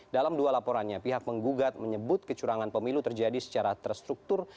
dalam dua laporannya pihak menggugat menyebut kecurangan pemilu terjadi secara terstruktur